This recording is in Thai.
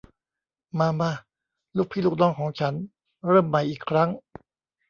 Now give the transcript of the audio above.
มา มา ลูกพี่ลูกน้องของฉัน เริ่มใหม่อีกครั้ง